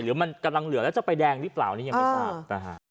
หรือมันกำลังเหลือแล้วจะไปแดงหรือเปล่านี่ยังไม่ทราบนะฮะ